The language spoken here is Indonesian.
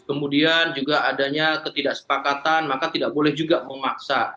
kemudian juga adanya ketidaksepakatan maka tidak boleh juga memaksa